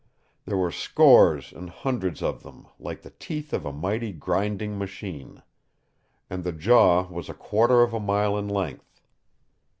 There were scores and hundreds of them, like the teeth of a mighty grinding machine. And the jaw was a quarter of a mile in length.